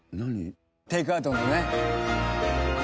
テイクアウトのね。